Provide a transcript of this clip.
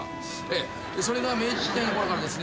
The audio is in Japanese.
それが明治時代のころからですね